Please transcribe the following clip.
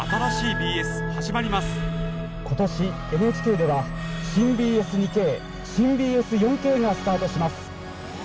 今年ＮＨＫでは新ＢＳ２Ｋ、新ＢＳ４Ｋがスタートします。